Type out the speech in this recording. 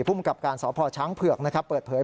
ภูมิกับการสพช้างเผือกเปิดเผย